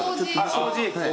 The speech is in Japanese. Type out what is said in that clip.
掃除。